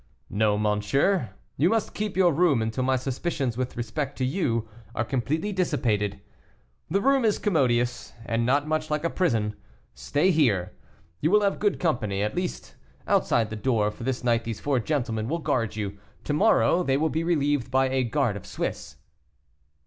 "No, monsieur, you must keep your room until my suspicions with respect to you are completely dissipated. The room is commodious, and not much like a prison; stay here. You will have good company at least, outside the door, for this night these four gentlemen will guard you; to morrow they will be relieved by a guard of Swiss."